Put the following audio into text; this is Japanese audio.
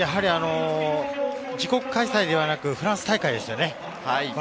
自国開催ではなく、フランス大会です。